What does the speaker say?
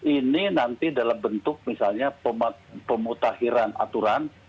ini nanti dalam bentuk misalnya pemutahiran aturan